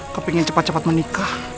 aku pengen cepat cepat menikah